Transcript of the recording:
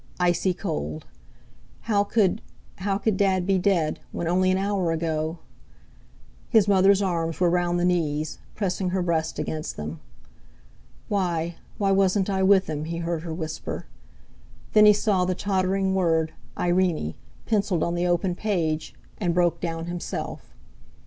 Icy cold! How could—how could Dad be dead, when only an hour ago—! His mother's arms were round the knees; pressing her breast against them. "Why—why wasn't I with him?" he heard her whisper. Then he saw the tottering word "Irene" pencilled on the open page, and broke down himself.